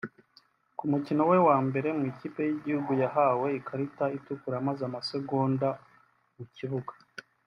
Ku mukino we wambere mu ikipe y’igihugu yahawe ikarita itukura amaze amasegonda mu kibuga